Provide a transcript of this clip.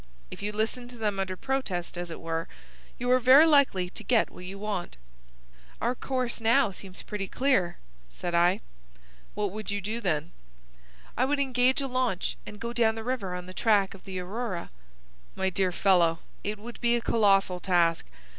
If you listen to them under protest, as it were, you are very likely to get what you want." "Our course now seems pretty clear," said I. "What would you do, then?" "I would engage a launch and go down the river on the track of the Aurora." "My dear fellow, it would be a colossal task.